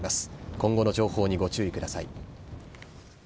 今後の情報にご注意ください。